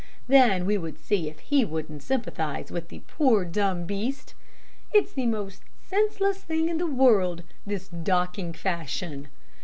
Then we would see if he wouldn't sympathize with the poor, dumb beast. It's the most senseless thing in the world, this docking fashion.